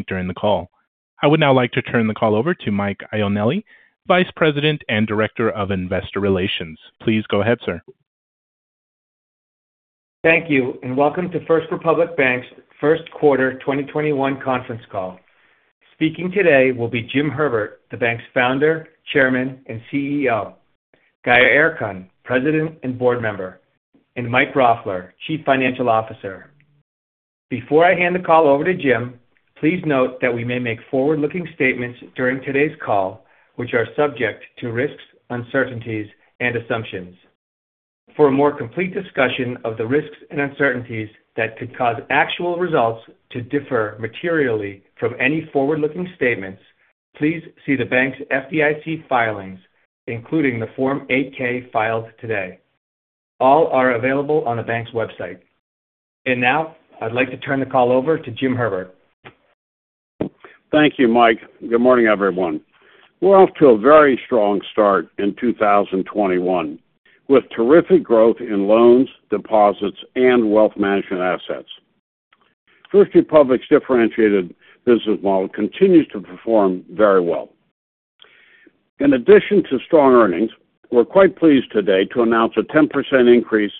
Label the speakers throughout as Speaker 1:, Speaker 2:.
Speaker 1: point during the call. I would now like to turn the call over to Mike Ioanilli, Vice President and Director of Investor Relations. Please go ahead, sir.
Speaker 2: Thank you, and welcome to First Republic Bank's first quarter 2021 conference call. Speaking today will be Jim Herbert, the bank's Founder, Chairman, and CEO. Gaye Erkan, President and Board Member, and Mike Roffler, Chief Financial Officer. Before I hand the call over to Jim, please note that we may make forward-looking statements during today's call, which are subject to risks, uncertainties, and assumptions. For a more complete discussion of the risks and uncertainties that could cause actual results to differ materially from any forward-looking statements, please see the bank's FDIC filings, including the Form 8-K filed today. All are available on the bank's website. Now I'd like to turn the call over to Jim Herbert.
Speaker 3: Thank you, Mike. Good morning, everyone. We're off to a very strong start in 2021, with terrific growth in loans, deposits, and wealth management assets. First Republic's differentiated business model continues to perform very well. In addition to strong earnings, we're quite pleased today to announce a 10% increase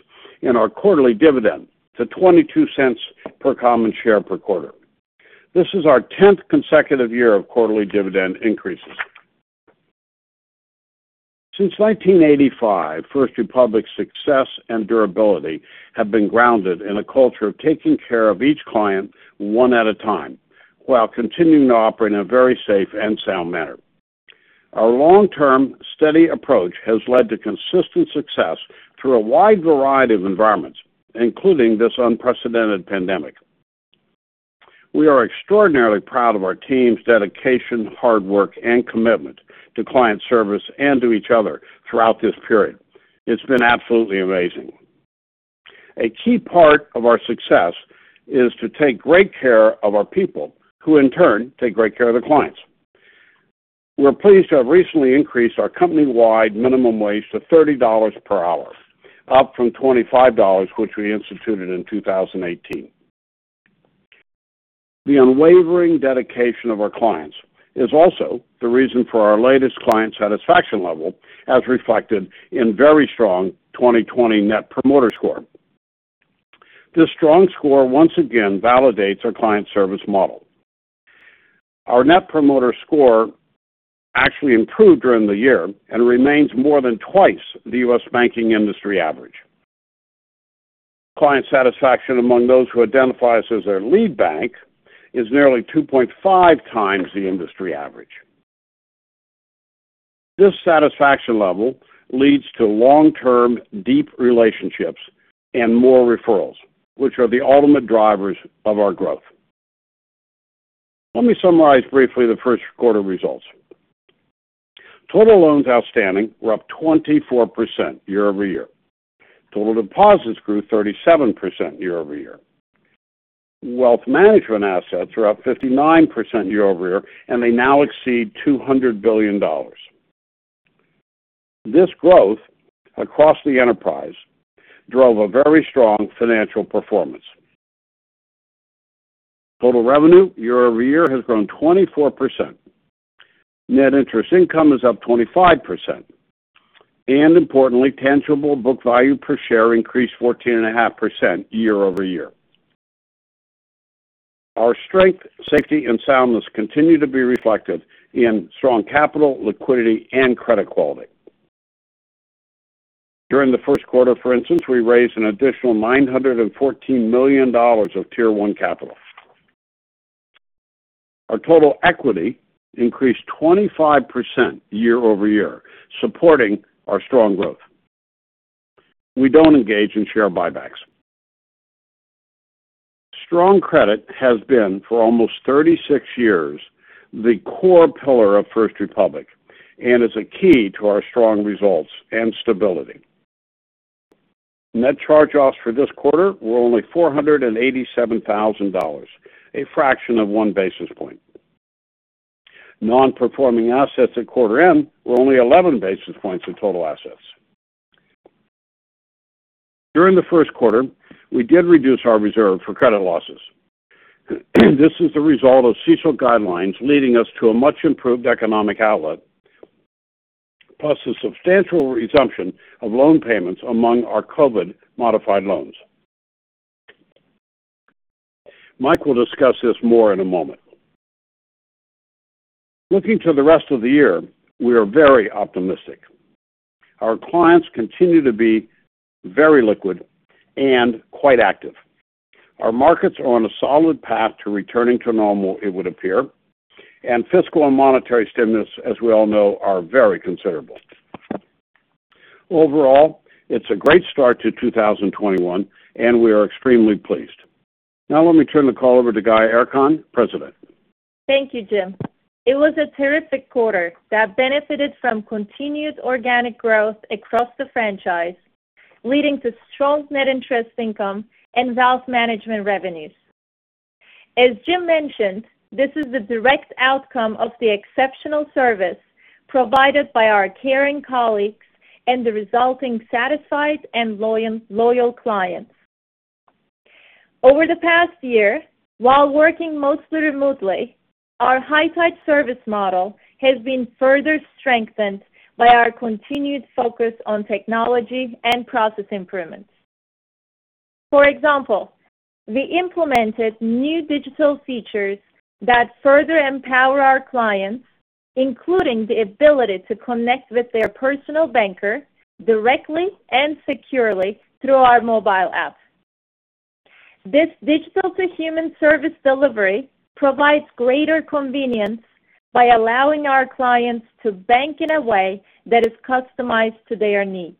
Speaker 3: in our quarterly dividend to $0.22 per common share per quarter. This is our tenth consecutive year of quarterly dividend increases. Since 1985, First Republic's success and durability have been grounded in a culture of taking care of each client one at a time while continuing to operate in a very safe and sound manner. Our long-term steady approach has led to consistent success through a wide variety of environments, including this unprecedented pandemic. We are extraordinarily proud of our team's dedication, hard work, and commitment to client service and to each other throughout this period. It's been absolutely amazing. A key part of our success is to take great care of our people, who in turn take great care of their clients. We're pleased to have recently increased our company-wide minimum wage to $30 per hour, up from $25, which we instituted in 2018. The unwavering dedication of our clients is also the reason for our latest client satisfaction level, as reflected in very strong 2020 Net Promoter Score. This strong score once again validates our client service model. Our Net Promoter Score actually improved during the year and remains more than twice the U.S. banking industry average. Client satisfaction among those who identify us as their lead bank is nearly 2.5 times the industry average. This satisfaction level leads to long-term, deep relationships and more referrals, which are the ultimate drivers of our growth. Let me summarize briefly the first quarter results. Total loans outstanding were up 24% year-over-year. Total deposits grew 37% year-over-year. Wealth management assets are up 59% year-over-year, and they now exceed $200 billion. This growth across the enterprise drove a very strong financial performance. Total revenue year-over-year has grown 24%. Net interest income is up 25%. Importantly, tangible book value per share increased 14.5% year-over-year. Our strength, safety, and soundness continue to be reflected in strong capital, liquidity, and credit quality. During the first quarter, for instance, we raised an additional $914 million of Tier one capital. Our total equity increased 25% year-over-year, supporting our strong growth. We don't engage in share buybacks. Strong credit has been, for almost 36 years, the core pillar of First Republic and is a key to our strong results and stability. Net charge-offs for this quarter were only $487,000, a fraction of one basis point. Non-performing assets at quarter end were only 11 basis points of total assets. During the first quarter, we did reduce our reserve for credit losses. This is the result of CECL guidelines leading us to a much-improved economic outlook, plus the substantial resumption of loan payments among our COVID-modified loans. Mike will discuss this more in a moment. Looking to the rest of the year, we are very optimistic. Our clients continue to be very liquid and quite active. Our markets are on a solid path to returning to normal, it would appear. Fiscal and monetary stimulus, as we all know, are very considerable. Overall, it's a great start to 2021, and we are extremely pleased. Now let me turn the call over to Gaye Erkan, President.
Speaker 4: Thank you, Jim. It was a terrific quarter that benefited from continued organic growth across the franchise, leading to strong net interest income and wealth management revenues. As Jim mentioned, this is the direct outcome of the exceptional service. Provided by our caring colleagues and the resulting satisfied and loyal clients. Over the past year, while working mostly remotely, our high-touch service model has been further strengthened by our continued focus on technology and process improvements. For example, we implemented new digital features that further empower our clients, including the ability to connect with their personal banker directly and securely through our mobile app. This digital-to-human service delivery provides greater convenience by allowing our clients to bank in a way that is customized to their needs.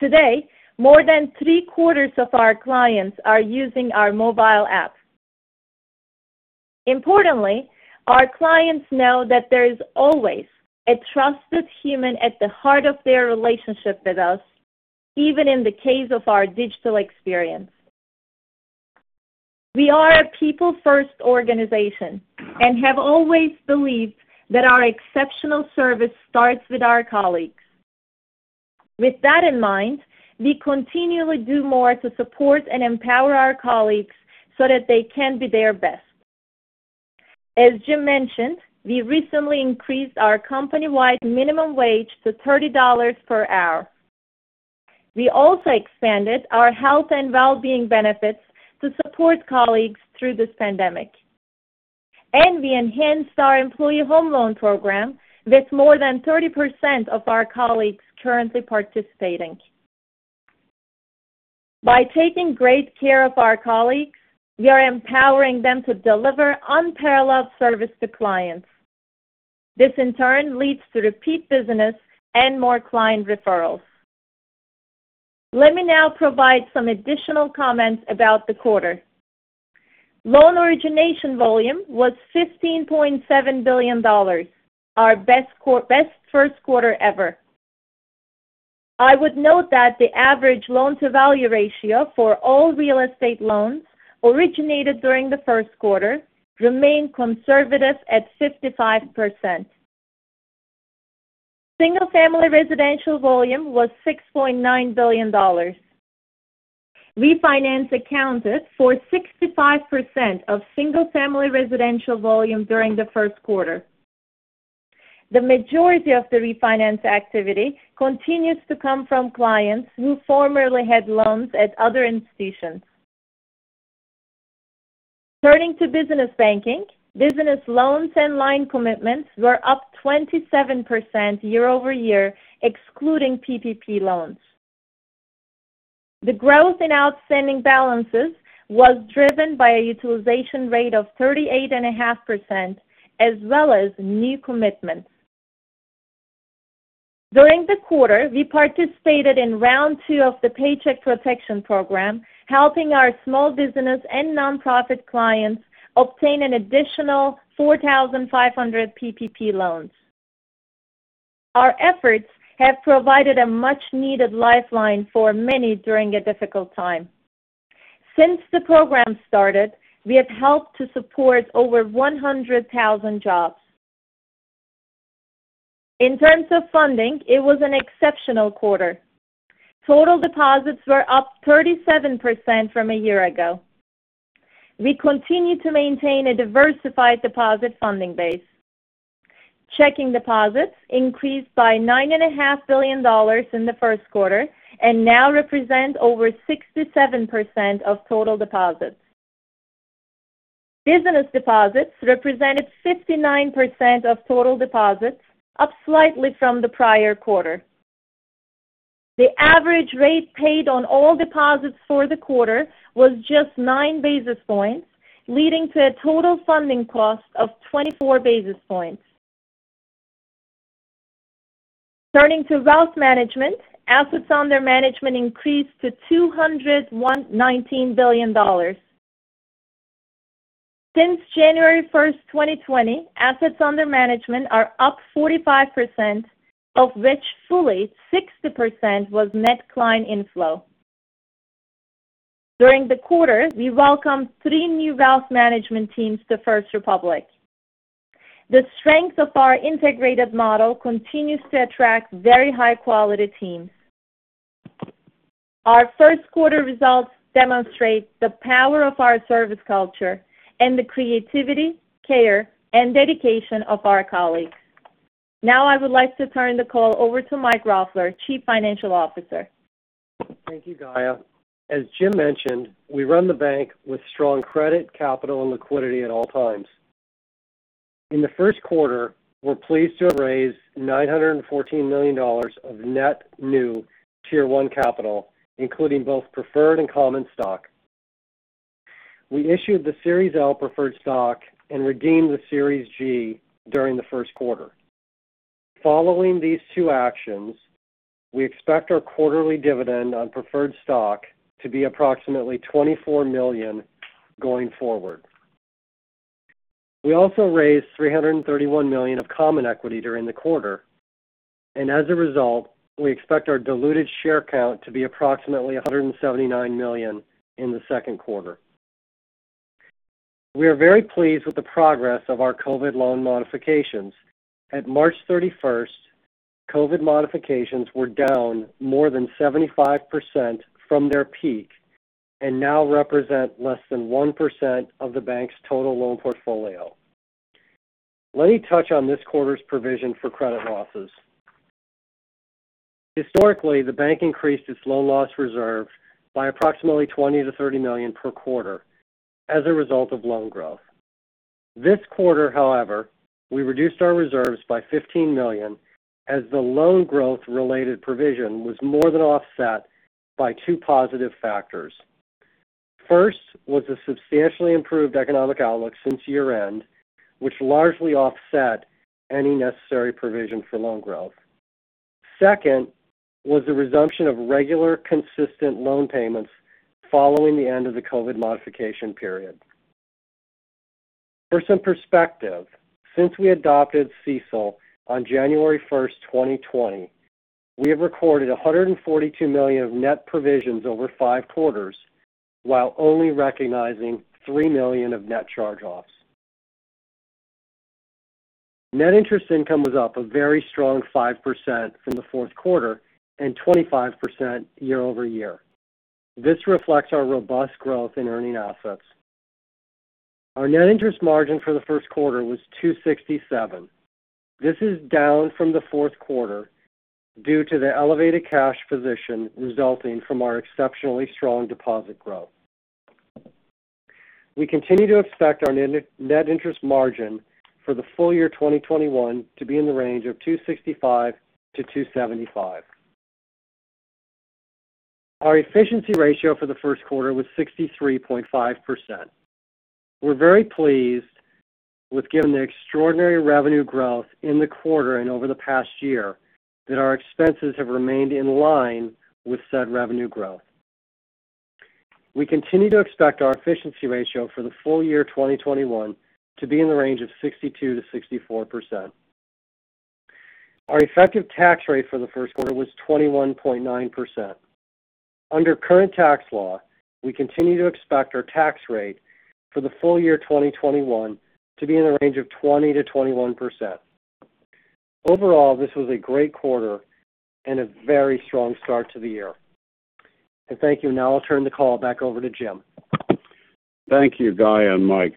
Speaker 4: Today, more than three-quarters of our clients are using our mobile app. Importantly, our clients know that there is always a trusted human at the heart of their relationship with us, even in the case of our digital experience. We are a people-first organization and have always believed that our exceptional service starts with our colleagues. With that in mind, we continually do more to support and empower our colleagues so that they can be their best. As Jim mentioned, we recently increased our company-wide minimum wage to $30 per hour. We also expanded our health and wellbeing benefits to support colleagues through this pandemic, and we enhanced our employee home loan program, with more than 30% of our colleagues currently participating. By taking great care of our colleagues, we are empowering them to deliver unparalleled service to clients. This, in turn, leads to repeat business and more client referrals. Let me now provide some additional comments about the quarter. Loan origination volume was $15.7 billion, our best first quarter ever. I would note that the average loan-to-value ratio for all real estate loans originated during the first quarter remained conservative at 55%. Single-family residential volume was $6.9 billion. Refinance accounted for 65% of single-family residential volume during the first quarter. The majority of the refinance activity continues to come from clients who formerly had loans at other institutions. Turning to business banking, business loans and line commitments were up 27% year-over-year, excluding PPP loans. The growth in outstanding balances was driven by a utilization rate of 38.5%, as well as new commitments. During the quarter, we participated in round two of the Paycheck Protection Program, helping our small business and nonprofit clients obtain an additional 4,500 PPP loans. Our efforts have provided a much-needed lifeline for many during a difficult time. Since the program started, we have helped to support over 100,000 jobs. In terms of funding, it was an exceptional quarter. Total deposits were up 37% from a year ago. We continue to maintain a diversified deposit funding base. Checking deposits increased by $9.5 billion in the first quarter and now represent over 67% of total deposits. Business deposits represented 59% of total deposits, up slightly from the prior quarter. The average rate paid on all deposits for the quarter was just nine basis points, leading to a total funding cost of 24 basis points. Turning to wealth management, assets under management increased to $219 billion. Since January 1st, 2020, assets under management are up 45%, of which fully 60% was net client inflow. During the quarter, we welcomed three new wealth management teams to First Republic. The strength of our integrated model continues to attract very high-quality teams. Our first quarter results demonstrate the power of our service culture and the creativity, care, and dedication of our colleagues. Now I would like to turn the call over to Mike Roffler, Chief Financial Officer.
Speaker 5: Thank you, Gaye. As Jim mentioned, we run the bank with strong credit, capital, and liquidity at all times. In the first quarter, we're pleased to have raised $914 million of net new Tier one capital, including both preferred and common stock. We issued the Series L preferred stock and redeemed the Series G during the first quarter. Following these two actions, we expect our quarterly dividend on preferred stock to be approximately $24 million going forward. We also raised $331 million of common equity during the quarter. As a result, we expect our diluted share count to be approximately 179 million in the second quarter. We are very pleased with the progress of our COVID loan modifications. At March 31st, COVID modifications were down more than 75% from their peak and now represent less than 1% of the bank's total loan portfolio. Let me touch on this quarter's provision for credit losses. Historically, the bank increased its loan loss reserve by approximately $20 million-$30 million per quarter as a result of loan growth. This quarter, however, we reduced our reserves by $15 million as the loan growth related provision was more than offset by two positive factors. First was the substantially improved economic outlook since year-end, which largely offset any necessary provision for loan growth. Second was the resumption of regular, consistent loan payments following the end of the COVID modification period. For some perspective, since we adopted CECL on January 1st, 2020, we have recorded $142 million of net provisions over five quarters, while only recognizing $3 million of net charge-offs. Net interest income was up a very strong 5% from the fourth quarter and 25% year-over-year. This reflects our robust growth in earning assets. Our net interest margin for the first quarter was 2.67%. This is down from the fourth quarter due to the elevated cash position resulting from our exceptionally strong deposit growth. We continue to expect our net interest margin for the full year 2021 to be in the range of 2.65%-2.75%. Our efficiency ratio for the first quarter was 63.5%. We're very pleased with given the extraordinary revenue growth in the quarter and over the past year, that our expenses have remained in line with said revenue growth. We continue to expect our efficiency ratio for the full year 2021 to be in the range of 62%-64%. Our effective tax rate for the first quarter was 21.9%. Under current tax law, we continue to expect our tax rate for the full year 2021 to be in the range of 20%-21%. Overall, this was a great quarter and a very strong start to the year. Thank you. Now I'll turn the call back over to Jim.
Speaker 3: Thank you, Gaye and Mike.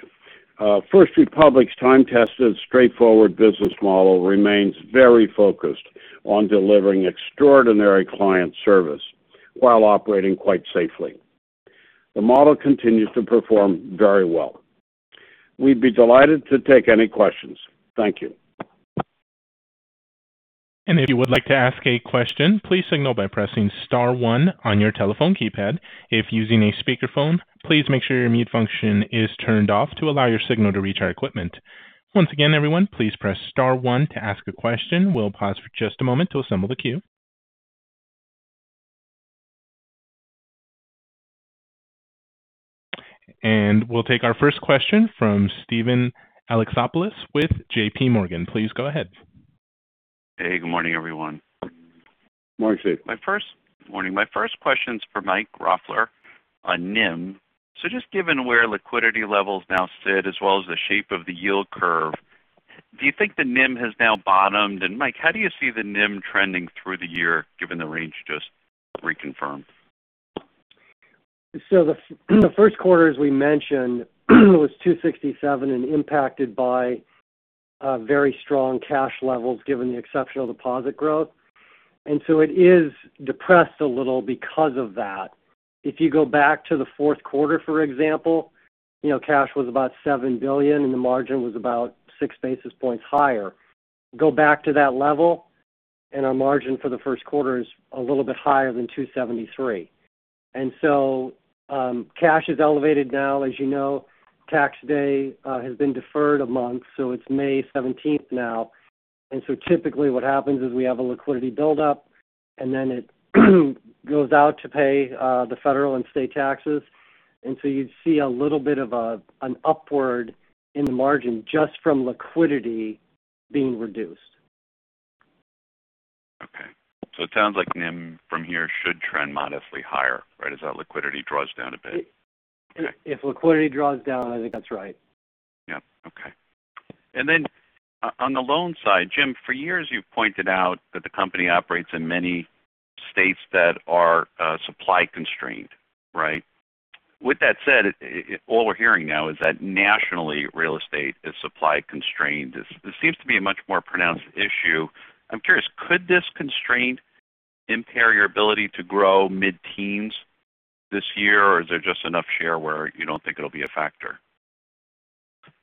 Speaker 3: First Republic's time-tested, straightforward business model remains very focused on delivering extraordinary client service while operating quite safely. The model continues to perform very well. We'd be delighted to take any questions. Thank you.
Speaker 1: If you would like to ask a question, please signal by pressing star one on your telephone keypad. If using a speakerphone, please make sure your mute function is turned off to allow your signal to reach our equipment. Once again, everyone, please press star one to ask a question. We'll pause for just a moment to assemble the queue. We'll take our first question from Steven Alexopoulos with JPMorgan. Please go ahead.
Speaker 6: Hey, good morning, everyone.
Speaker 3: Morning, Steve.
Speaker 6: Morning. My first question's for Mike Roffler on NIM. Just given where liquidity levels now sit as well as the shape of the yield curve, do you think the NIM has now bottomed? Mike, how do you see the NIM trending through the year given the range just reconfirmed?
Speaker 5: The first quarter, as we mentioned, was 267 and impacted by very strong cash levels given the exceptional deposit growth. It is depressed a little because of that. If you go back to the fourth quarter, for example, cash was about $7 billion, and the margin was about six basis points higher. Go back to that level, our margin for the first quarter is a little bit higher than 273. Cash is elevated now. As you know, tax day has been deferred a month, it's May 17th now. Typically what happens is we have a liquidity buildup, then it goes out to pay the federal and state taxes. You'd see a little bit of an upward in the margin just from liquidity being reduced.
Speaker 6: Okay. It sounds like NIM from here should trend modestly higher, right, as that liquidity draws down a bit?
Speaker 5: If liquidity draws down, I think that's right.
Speaker 6: Yeah. Okay. On the loan side, Jim, for years you've pointed out that the company operates in many states that are supply constrained, right? With that said, all we're hearing now is that nationally real estate is supply constrained. This seems to be a much more pronounced issue. I'm curious, could this constraint impair your ability to grow mid-teens this year, or is there just enough share where you don't think it'll be a factor?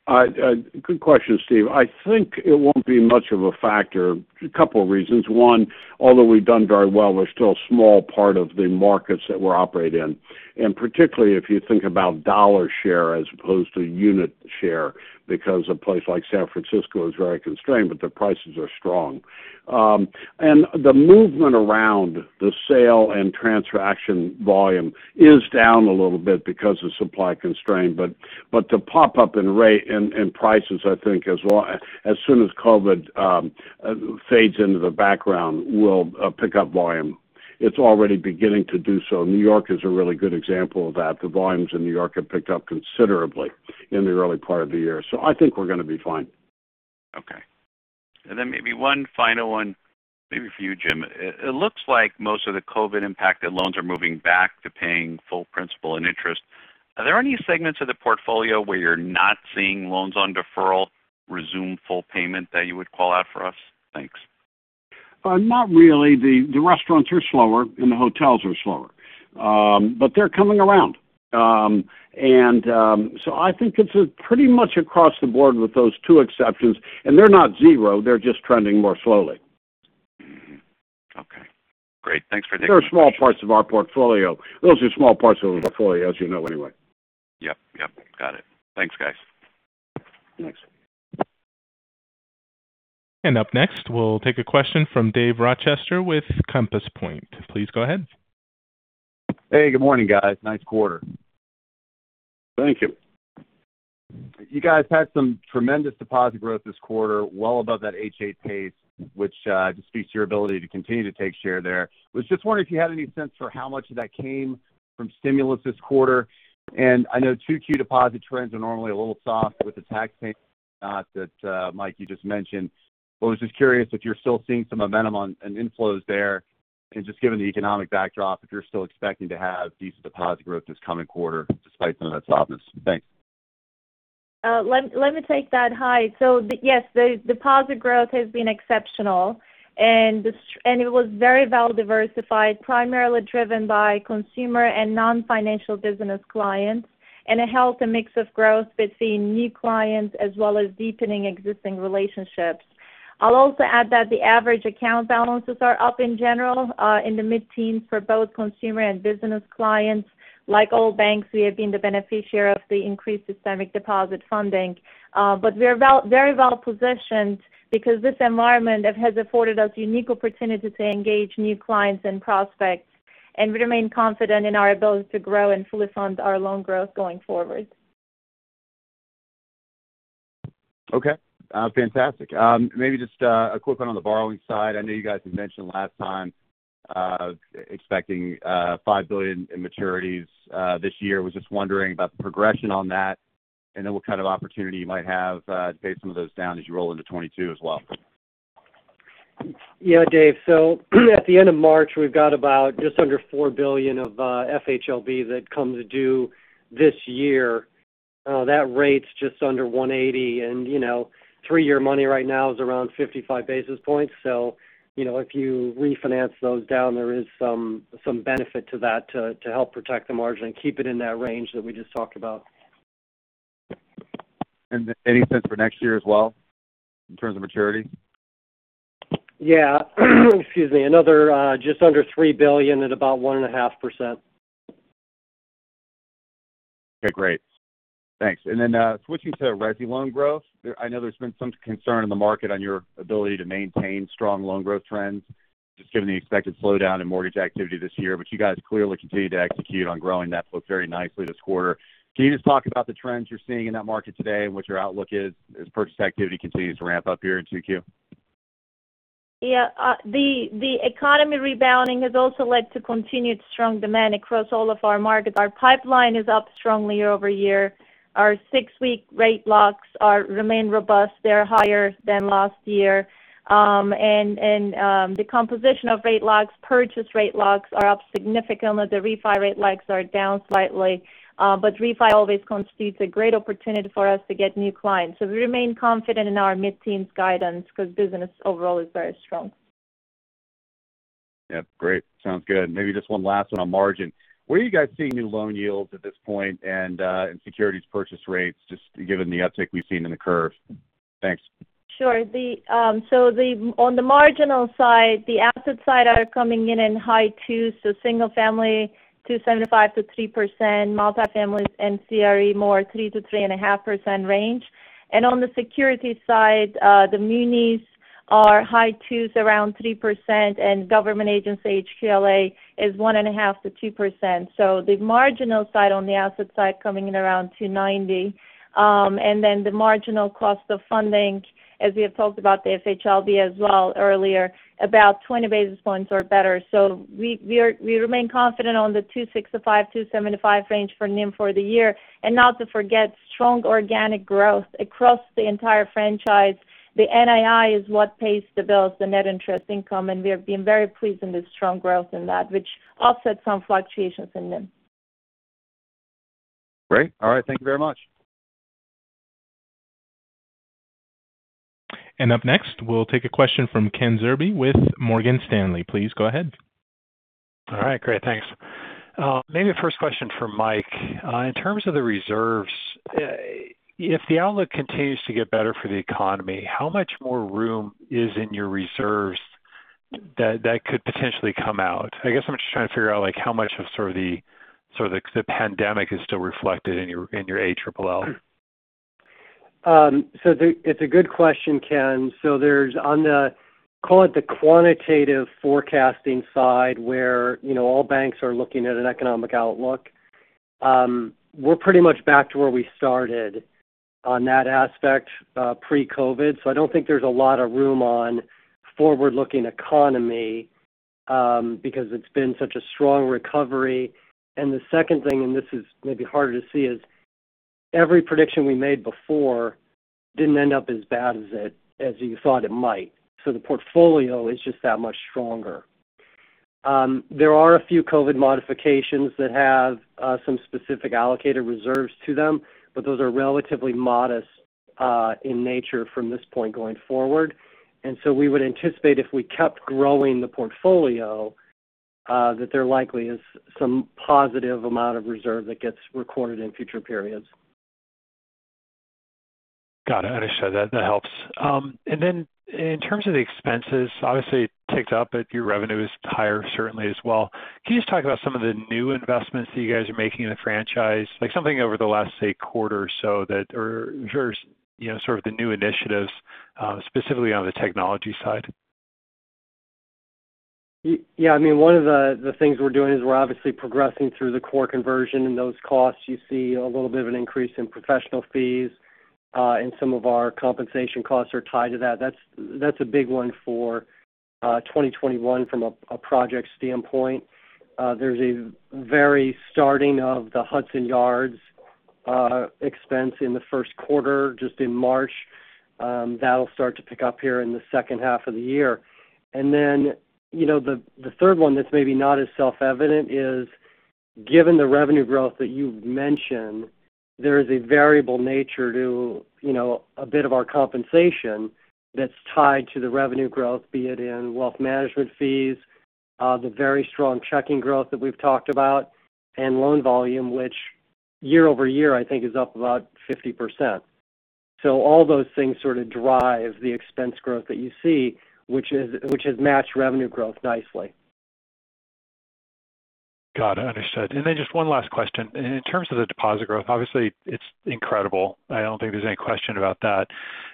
Speaker 3: Good question, Steve. I think it won't be much of a factor. A couple reasons. One, although we've done very well, we're still a small part of the markets that we operate in, particularly if you think about dollar share as opposed to unit share, because a place like San Francisco is very constrained, but the prices are strong. The movement around the sale and transaction volume is down a little bit because of supply constraint, but the pop-up in prices, I think, as soon as COVID fades into the background, will pick up volume. It's already beginning to do so. New York is a really good example of that. The volumes in New York have picked up considerably in the early part of the year. I think we're going to be fine.
Speaker 6: Okay. Maybe one final one, maybe for you, Jim. It looks like most of the COVID impacted loans are moving back to paying full principal and interest. Are there any segments of the portfolio where you're not seeing loans on deferral resume full payment that you would call out for us? Thanks.
Speaker 3: Not really. The restaurants are slower, and the hotels are slower. They're coming around. I think it's pretty much across the board with those two exceptions. They're not zero, they're just trending more slowly.
Speaker 6: Okay, great. Thanks for the information.
Speaker 3: They're small parts of our portfolio. Those are small parts of the portfolio, as you know, anyway.
Speaker 6: Yep. Got it. Thanks, guys.
Speaker 3: Thanks.
Speaker 1: Up next, we'll take a question from Dave Rochester with Compass Point. Please go ahead.
Speaker 7: Hey, good morning, guys. Nice quarter.
Speaker 3: Thank you.
Speaker 7: You guys had some tremendous deposit growth this quarter, well above that H8 pace, which speaks to your ability to continue to take share there. Was just wondering if you had any sense for how much of that came from stimulus this quarter. I know 2Q deposit trends are normally a little soft with the tax payment that, Mike, you just mentioned. Was just curious if you're still seeing some momentum on inflows there and just given the economic backdrop, if you're still expecting to have decent deposit growth this coming quarter despite some of that softness. Thanks.
Speaker 4: Let me take that. Hi. Yes, the deposit growth has been exceptional, and it was very well diversified, primarily driven by consumer and non-financial business clients, and it helped a mix of growth between new clients as well as deepening existing relationships. I'll also add that the average account balances are up in general, in the mid-teens for both consumer and business clients. Like all banks, we have been the beneficiary of the increased systemic deposit funding. We're very well-positioned because this environment has afforded us unique opportunities to engage new clients and prospects, and we remain confident in our ability to grow and fully fund our loan growth going forward.
Speaker 7: Okay. Fantastic. Maybe just a quick one on the borrowing side. I know you guys had mentioned last time expecting $5 billion in maturities this year. Was just wondering about the progression on that, and then what kind of opportunity you might have to pay some of those down as you roll into 2022 as well.
Speaker 5: Yeah, Dave. At the end of March, we've got about just under $4 billion of FHLB that comes due this year. That rate's just under 180 basis points, and three-year money right now is around 55 basis points. If you refinance those down, there is some benefit to that to help protect the margin and keep it in that range that we just talked about.
Speaker 7: Any sense for next year as well in terms of maturity?
Speaker 5: Yeah. Excuse me. Another just under $3 billion at about one and a half %.
Speaker 7: Okay, great. Thanks. Switching to resi loan growth, I know there's been some concern in the market on your ability to maintain strong loan growth trends, just given the expected slowdown in mortgage activity this year. You guys clearly continue to execute on growing that book very nicely this quarter. Can you just talk about the trends you're seeing in that market today and what your outlook is as purchase activity continues to ramp up here in 2Q?
Speaker 4: Yeah. The economy rebounding has also led to continued strong demand across all of our markets. Our pipeline is up strongly year-over-year. Our six-week rate locks remain robust. They're higher than last year. The composition of rate locks, purchase rate locks are up significantly. The refi rate locks are down slightly. Refi always constitutes a great opportunity for us to get new clients. We remain confident in our mid-teens guidance because business overall is very strong.
Speaker 7: Yeah, great. Sounds good. Maybe just one last one on margin. Where are you guys seeing new loan yields at this point and securities purchase rates, just given the uptick we've seen in the curve? Thanks.
Speaker 4: Sure. On the marginal side, the asset side are coming in in high twos. Single family, 2.75%-3%, multifamily and CRE more 3%-3.5% range. On the security side, the munis are high twos, around 3%, government agency FHLB is 1.5%-2%. The marginal side on the asset side coming in around 2.90%. The marginal cost of funding, as we have talked about the FHLB as well earlier, about 20 basis points or better. We remain confident on the 2.65%-2.75% range for NIM for the year. Not to forget strong organic growth across the entire franchise. The NII is what pays the bills, the net interest income, and we have been very pleased in the strong growth in that, which offsets some fluctuations in NIM.
Speaker 7: Great. All right. Thank you very much.
Speaker 1: Up next, we'll take a question from Ken Zerbe with Morgan Stanley. Please go ahead.
Speaker 8: All right, great. Thanks. Maybe a first question for Mike. In terms of the reserves, if the outlook continues to get better for the economy, how much more room is in your reserves that could potentially come out? I guess I'm just trying to figure out how much of the pandemic is still reflected in your ALLL.
Speaker 5: It's a good question, Ken. There's on the, call it the quantitative forecasting side where all banks are looking at an economic outlook. We're pretty much back to where we started on that aspect pre-COVID. I don't think there's a lot of room on forward-looking economy because it's been such a strong recovery. The second thing, and this is maybe harder to see, is every prediction we made before didn't end up as bad as you thought it might. The portfolio is just that much stronger. There are a few COVID modifications that have some specific allocated reserves to them, but those are relatively modest in nature from this point going forward. We would anticipate if we kept growing the portfolio, that there likely is some positive amount of reserve that gets recorded in future periods.
Speaker 8: Got it. Understood. That helps. In terms of the expenses, obviously it ticks up, but your revenue is higher certainly as well. Can you just talk about some of the new investments that you guys are making in the franchise, like something over the last, say, quarter or so that are sort of the new initiatives, specifically on the technology side?
Speaker 5: One of the things we're doing is we're obviously progressing through the core conversion and those costs. You see a little bit of an increase in professional fees, and some of our compensation costs are tied to that. That's a big one for 2021 from a project standpoint. There's a very starting of the Hudson Yards expense in the first quarter, just in March. That'll start to pick up here in the second half of the year. The third one that's maybe not as self-evident is given the revenue growth that you've mentioned, there is a variable nature to a bit of our compensation that's tied to the revenue growth, be it in wealth management fees, the very strong checking growth that we've talked about, and loan volume, which year-over-year, I think is up about 50%. All those things sort of drive the expense growth that you see, which has matched revenue growth nicely.
Speaker 8: Got it, understood. Just one last question. In terms of the deposit growth, obviously it's incredible. I don't think there's any question about that.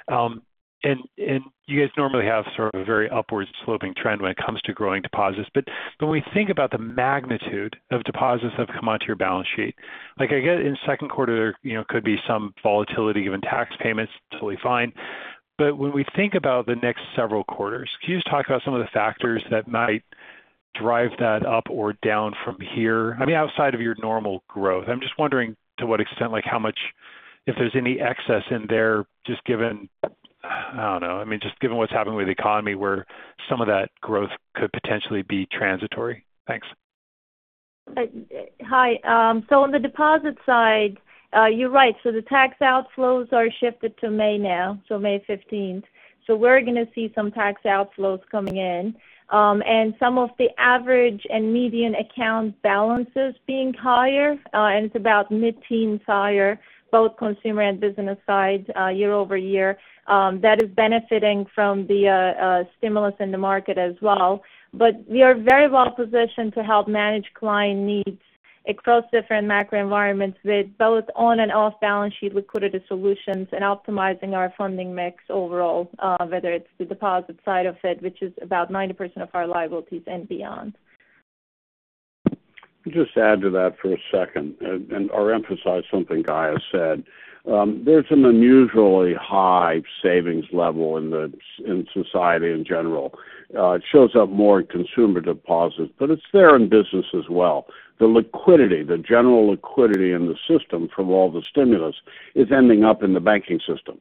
Speaker 8: You guys normally have sort of a very upward sloping trend when it comes to growing deposits. When we think about the magnitude of deposits that have come onto your balance sheet, like I get in the second quarter there could be some volatility given tax payments, totally fine. When we think about the next several quarters, can you just talk about some of the factors that might drive that up or down from here? I mean, outside of your normal growth. I'm just wondering to what extent, like how much, if there's any excess in there, just given, I don't know. Just given what's happening with the economy where some of that growth could potentially be transitory. Thanks.
Speaker 4: Hi. On the deposit side, you're right. The tax outflows are shifted to May now, May 15th. We're going to see some tax outflows coming in. Some of the average and median account balances being higher, and it's about mid-teens higher, both consumer and business sides year-over-year. That is benefiting from the stimulus in the market as well. We are very well positioned to help manage client needs across different macro environments with both on and off-balance sheet liquidity solutions and optimizing our funding mix overall, whether it's the deposit side of it, which is about 90% of our liabilities and beyond.
Speaker 3: Just add to that for a second or emphasize something Gaye said. There's an unusually high savings level in society in general. It shows up more in consumer deposits, but it's there in business as well. The liquidity, the general liquidity in the system from all the stimulus is ending up in the banking system.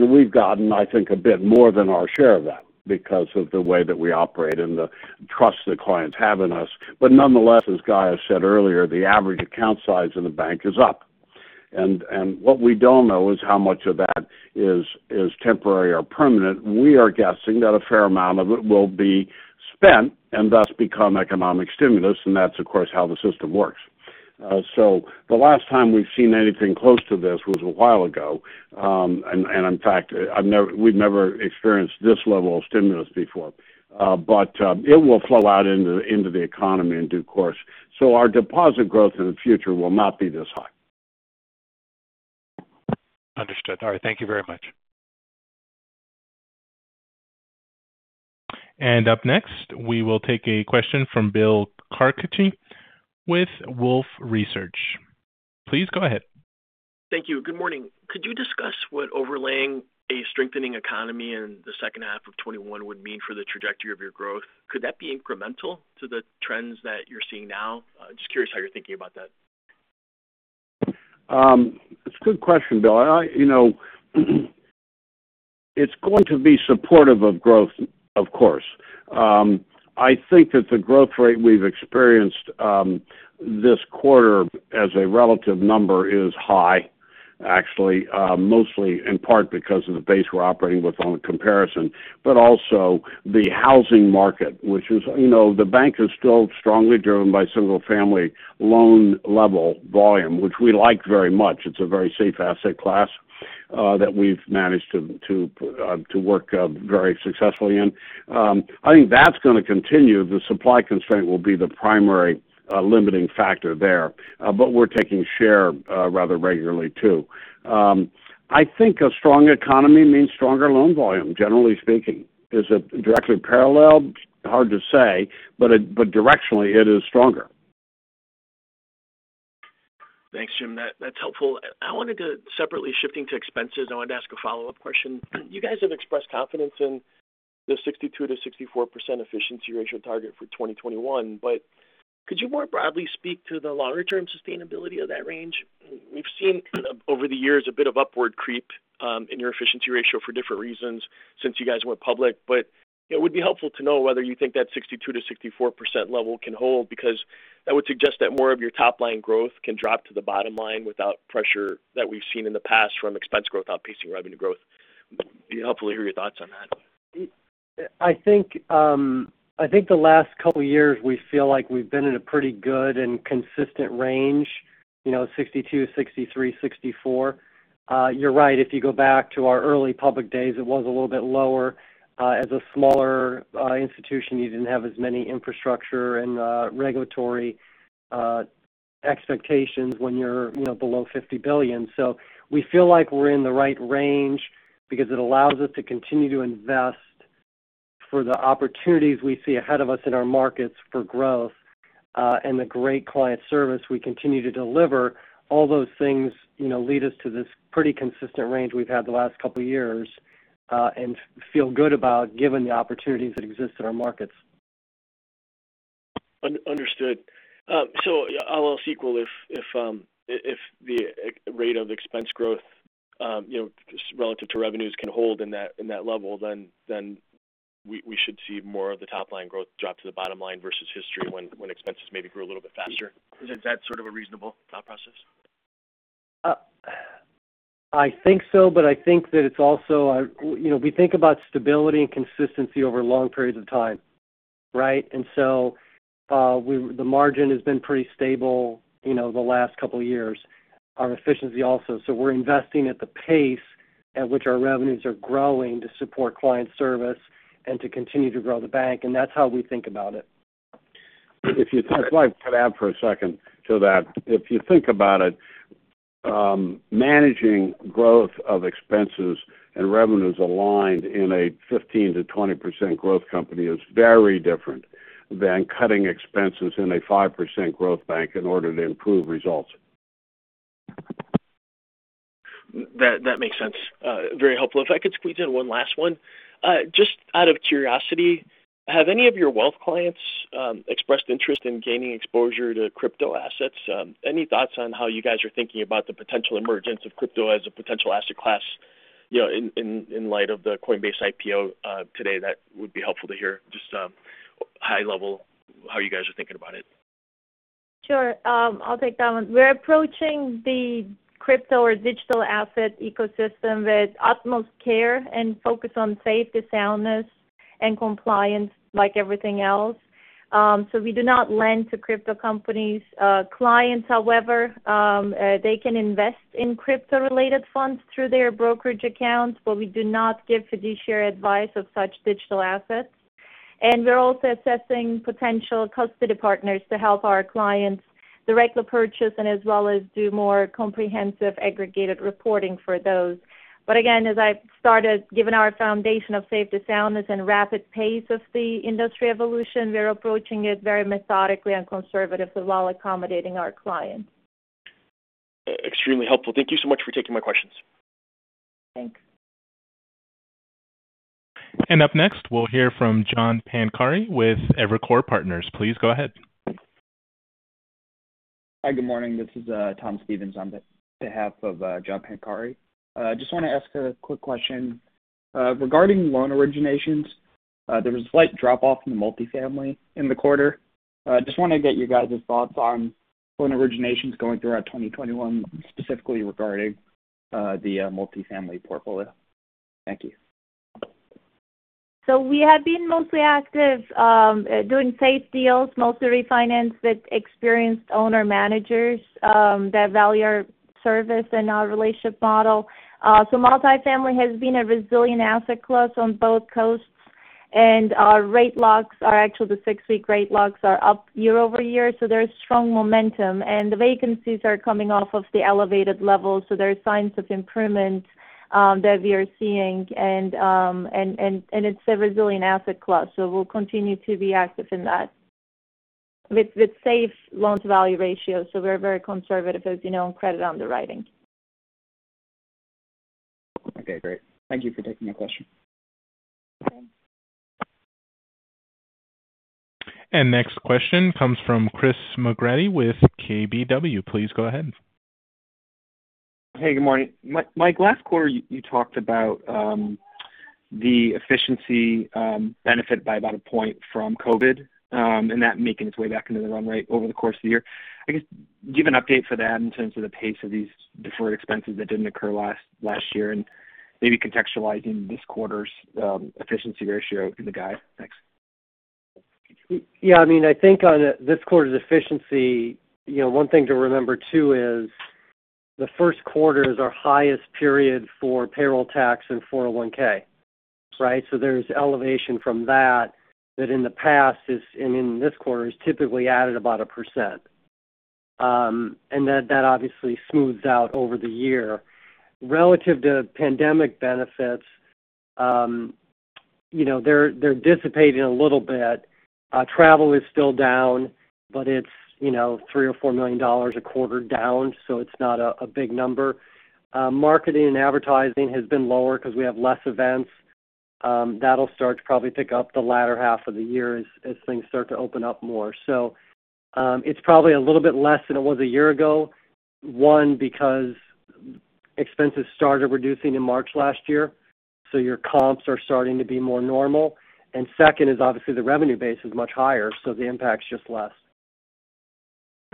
Speaker 3: We've gotten, I think, a bit more than our share of that because of the way that we operate and the trust the clients have in us. Nonetheless, as Gaye said earlier, the average account size in the bank is up. What we don't know is how much of that is temporary or permanent. We are guessing that a fair amount of it will be spent and thus become economic stimulus. That's, of course, how the system works. The last time we've seen anything close to this was a while ago. In fact, we've never experienced this level of stimulus before. It will flow out into the economy in due course. Our deposit growth in the future will not be this high.
Speaker 8: Understood. All right. Thank you very much.
Speaker 1: Up next, we will take a question from Bill Carcache with Wolfe Research. Please go ahead.
Speaker 9: Thank you. Good morning. Could you discuss what overlaying a strengthening economy in the second half of 2021 would mean for the trajectory of your growth? Could that be incremental to the trends that you're seeing now? Just curious how you're thinking about that.
Speaker 3: It's a good question, Bill. It's going to be supportive of growth, of course. I think that the growth rate we've experienced this quarter as a relative number is high, actually. Mostly in part because of the base we're operating with on the comparison, also the housing market. The bank is still strongly driven by single-family loan level volume, which we like very much. It's a very safe asset class that we've managed to work very successfully in. I think that's going to continue. The supply constraint will be the primary limiting factor there. We're taking share rather regularly, too. I think a strong economy means stronger loan volume, generally speaking. Is it directly paralleled? Hard to say, but directionally it is stronger
Speaker 9: Thanks, Jim. That's helpful. Separately shifting to expenses, I wanted to ask a follow-up question. You guys have expressed confidence in the 62%-64% efficiency ratio target for 2021. Could you more broadly speak to the longer-term sustainability of that range? We've seen over the years a bit of upward creep in your efficiency ratio for different reasons since you guys went public. It would be helpful to know whether you think that 62%-64% level can hold, because that would suggest that more of your top-line growth can drop to the bottom line without pressure that we've seen in the past from expense growth outpacing revenue growth. It'd be helpful to hear your thoughts on that.
Speaker 5: I think the last couple of years, we feel like we've been in a pretty good and consistent range, 62%, 63%, 64%. You're right. If you go back to our early public days, it was a little bit lower. As a smaller institution, you didn't have as many infrastructure and regulatory expectations when you're below 50 billion. We feel like we're in the right range because it allows us to continue to invest for the opportunities we see ahead of us in our markets for growth. The great client service we continue to deliver, all those things lead us to this pretty consistent range we've had the last couple of years, and feel good about given the opportunities that exist in our markets.
Speaker 9: Understood. I'll ask equal if the rate of expense growth relative to revenues can hold in that level, then we should see more of the top-line growth drop to the bottom line versus history when expenses maybe grew a little bit faster. Is that sort of a reasonable thought process?
Speaker 5: I think so. We think about stability and consistency over long periods of time, right? The margin has been pretty stable the last couple of years, our efficiency also. We're investing at the pace at which our revenues are growing to support client service and to continue to grow the bank, and that's how we think about it.
Speaker 3: If I could add for a second to that. If you think about it, managing growth of expenses and revenues aligned in a 15%-20% growth company is very different than cutting expenses in a 5% growth bank in order to improve results.
Speaker 9: That makes sense. Very helpful. If I could squeeze in one last one. Just out of curiosity, have any of your wealth clients expressed interest in gaining exposure to crypto assets? Any thoughts on how you guys are thinking about the potential emergence of crypto as a potential asset class in light of the Coinbase IPO today? That would be helpful to hear. Just high level, how you guys are thinking about it.
Speaker 4: Sure. I'll take that one. We're approaching the crypto or digital asset ecosystem with utmost care and focus on safety, soundness, and compliance like everything else. We do not lend to crypto companies. Clients, however, they can invest in crypto-related funds through their brokerage accounts, but we do not give fiduciary advice of such digital assets. We're also assessing potential custody partners to help our clients direct the purchase and as well as do more comprehensive aggregated reporting for those. Again, as I started, given our foundation of safety, soundness, and rapid pace of the industry evolution, we are approaching it very methodically and conservatively while accommodating our clients.
Speaker 9: Extremely helpful. Thank you so much for taking my questions.
Speaker 4: Thanks.
Speaker 1: Up next, we'll hear from John Pancari with Evercore Partners. Please go ahead.
Speaker 10: Hi. Good morning. This is Tom Stevens on behalf of John Pancari. Just want to ask a quick question. Regarding loan originations, there was a slight drop-off in the multifamily in the quarter. Just want to get your guys' thoughts on loan originations going throughout 2021, specifically regarding the multifamily portfolio. Thank you.
Speaker 4: We have been mostly active doing safe deals, mostly refinanced with experienced owner managers that value our service and our relationship model. Multifamily has been a resilient asset class on both coasts, and our six-week rate locks are actually up year-over-year. There's strong momentum. The vacancies are coming off of the elevated levels, so there's signs of improvement that we are seeing. It's a resilient asset class, so we'll continue to be active in that with safe loans-to-value ratio. We're very conservative, as you know, in credit underwriting.
Speaker 10: Okay, great. Thank you for taking my question.
Speaker 4: Okay.
Speaker 1: Next question comes from Christopher McGratty with KBW. Please go ahead.
Speaker 11: Hey, good morning. Mike, last quarter you talked about the efficiency benefit by about a point from COVID, and that making its way back into the run rate over the course of the year. I guess, do you have an update for that in terms of the pace of these deferred expenses that didn't occur last year, and maybe contextualizing this quarter's efficiency ratio in the guide? Thanks.
Speaker 5: Yeah. I think on this quarter's efficiency, one thing to remember too is the first quarter is our highest period for payroll tax and 401, right? There's elevation from that in the past is, and in this quarter, is typically added about 1%. That obviously smooths out over the year. Relative to pandemic benefits. They're dissipating a little bit. Travel is still down, but it's $3 or $4 million a quarter down, so it's not a big number. Marketing and advertising has been lower because we have less events. That'll start to probably pick up the latter half of the year as things start to open up more. It's probably a little bit less than it was a year ago. One, because expenses started reducing in March last year, so your comps are starting to be more normal, and second is obviously the revenue base is much higher, so the impact's just less.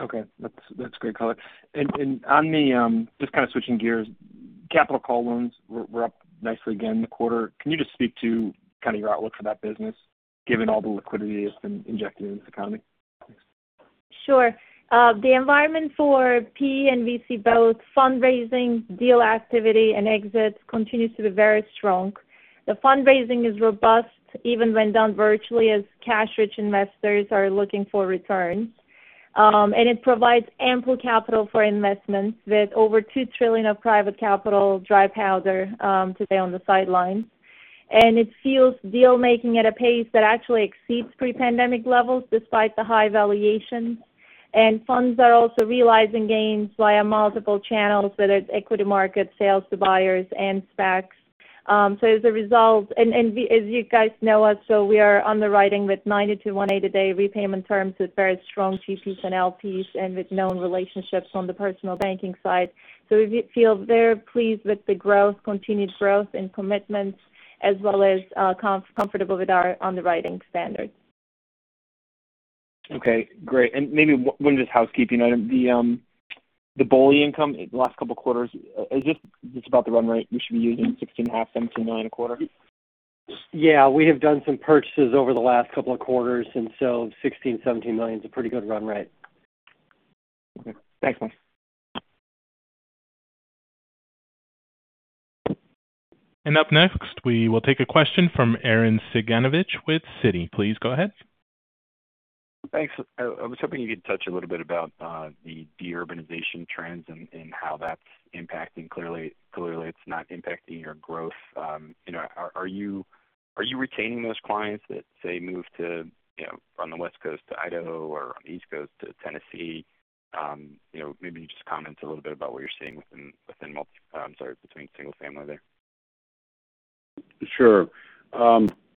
Speaker 11: Okay. That's great. Just kind of switching gears, capital call loans were up nicely again in the quarter. Can you just speak to kind of your outlook for that business, given all the liquidity that's been injected into the economy? Thanks.
Speaker 4: Sure. The environment for PE and VC, both fundraising deal activity and exits continues to be very strong. The fundraising is robust even when done virtually as cash-rich investors are looking for returns. It provides ample capital for investments with over $2 trillion of private capital dry powder to stay on the sidelines. It fuels deal-making at a pace that actually exceeds pre-pandemic levels despite the high valuations. Funds are also realizing gains via multiple channels, whether it's equity market sales to buyers and SPACs. As a result, and as you guys know us, we are underwriting with 90-180-day repayment terms with very strong GPs and LPs and with known relationships on the personal banking side. We feel very pleased with the continued growth and commitments as well as comfortable with our underwriting standards.
Speaker 11: Okay, great. Maybe one just housekeeping item. The BOLI income the last couple of quarters, is this just about the run rate we should be using, $16.5, $17.9 a quarter?
Speaker 5: Yeah, we have done some purchases over the last couple of quarters, and so $16 million, $17 million is a pretty good run rate.
Speaker 11: Okay. Thanks, Mike.
Speaker 1: Up next, we will take a question from Arren Cyganovich with Citi. Please go ahead.
Speaker 12: Thanks. I was hoping you could touch a little bit about the deurbanization trends and how that's impacting. Clearly it's not impacting your growth. Are you retaining those clients that, say, move from the West Coast to Idaho or on the East Coast to Tennessee? Maybe you just comment a little bit about what you're seeing between single family there.
Speaker 3: Sure.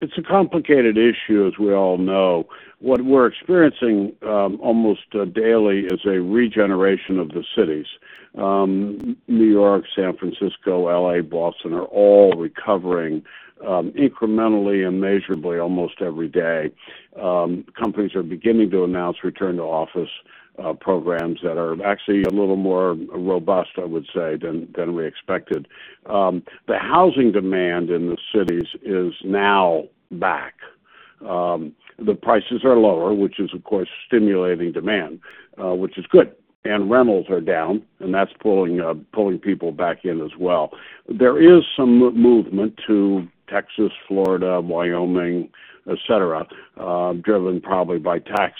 Speaker 3: It's a complicated issue, as we all know. What we're experiencing almost daily is a regeneration of the cities. New York, San Francisco, L.A., Boston are all recovering incrementally and measurably almost every day. Companies are beginning to announce return-to-office programs that are actually a little more robust, I would say, than we expected. The housing demand in the cities is now back. The prices are lower, which is, of course, stimulating demand, which is good. Rentals are down, and that's pulling people back in as well. There is some movement to Texas, Florida, Wyoming, et cetera, driven probably by tax